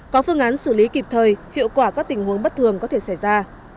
có phương án xử lý kịp thời hiệu quả các tình huống bất thường có thể xảy ra